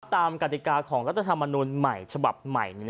กติกาของรัฐธรรมนูลใหม่ฉบับใหม่